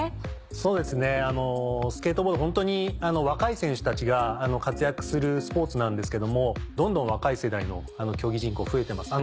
そうですねスケートボードは若い人たちが活躍するスポーツなんですけどもどんどん若い世代の競技人口増えてます。